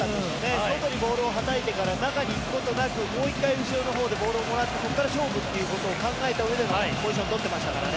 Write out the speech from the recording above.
外にボールをはたいてから中に行く事なくもう一回後ろの方でボールをもらってそこから勝負っていう事を考えた上でのポジション取ってましたからね。